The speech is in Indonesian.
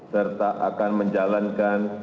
serta akan menjalankan